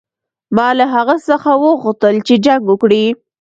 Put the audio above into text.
ما له هغه څخه وغوښتل چې جنګ وکړي.